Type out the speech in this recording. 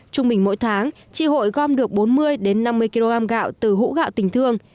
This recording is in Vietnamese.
trung bình mỗi tháng tri hội gom được bốn mươi năm mươi kg gạo từ hũ gạo tình thương